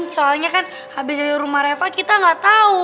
soalnya kan habis dari rumah reva kita gak tau